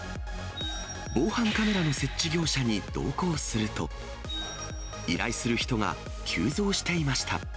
防犯カメラの設置業者に同行すると、依頼する人が急増していました。